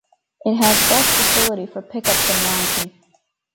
It has bus facility for pickup from Ranchi.